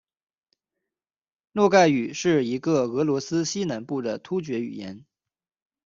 诺盖语是一个俄罗斯西南部的突厥语言。